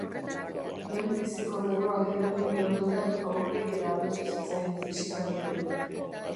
Lehenbiziko lerroak irakurri ondoren aurpegiera aldatu zitzaion fisikariari.